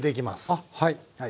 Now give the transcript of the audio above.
あっはい。